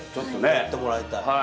やってもらいたい。